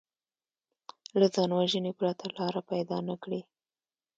له ځانوژنې پرته لاره پیدا نه کړي